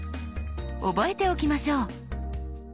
覚えておきましょう。